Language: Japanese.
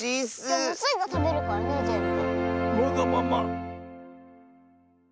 スイがたべるからねぜんぶ。